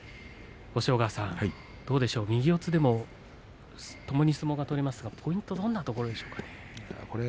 押尾川さん、どうでしょう右四つでもともに相撲が取れますがポイントはどんなところでしょう。